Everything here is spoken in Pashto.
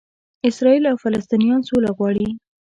اسراییل او فلسطنینان سوله غواړي.